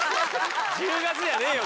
「１０月」じゃねえよ！